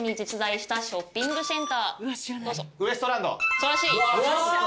素晴らしい。